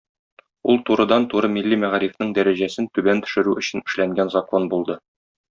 Ул турыдан-туры милли мәгарифнең дәрәҗәсен түбән төшерү өчен эшләнгән закон булды.